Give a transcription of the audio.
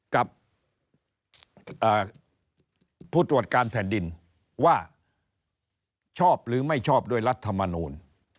กับผู้ตรวจการแผ่นดินว่าชอบหรือไม่ชอบด้วยรัฐมนูล